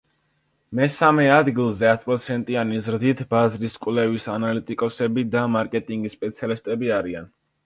მესამე ადგილზე ათპროცენტიანი ზრდით ბაზრის კვლევის ანალიტიკოსები და მარკეტინგის სპეციალისტები არიან.